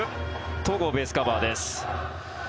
戸郷、ベースカバーです。